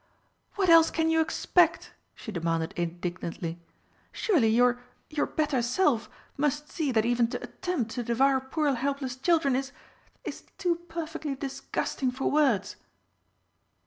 "What else can you expect?" she demanded indignantly. "Surely your your better self must see that even to attempt to devour poor helpless children is is too perfectly disgusting for words!"